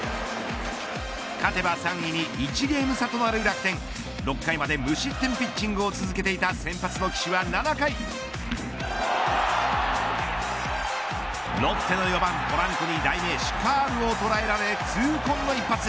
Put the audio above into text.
勝てば３位に１ゲーム差となる楽天６回まで無失点ピッチングを続けていた先発の岸は７回ロッテの４番、ポランコに代名詞カーブを捉えられ痛恨の一発。